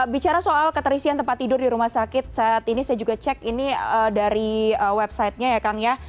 bicara soal keterisian tempat tidur di rumah sakit saat ini saya juga cek ini dari websitenya ya kang ya